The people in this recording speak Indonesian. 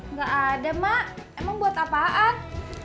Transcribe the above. nggak ada mak emang buat apaan